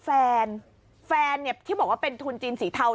แฟนแฟนเนี่ยที่บอกว่าเป็นทุนจีนสีเทา